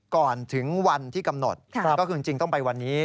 ก่อนถึงวันที่กำหนดก็คือจริงต้องไปวันนี้